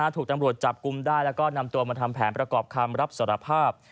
ถูกตำรวจจับกลุ่มได้แล้วก็นำตัวมาทำแผนประกอบคำรับสารภาพ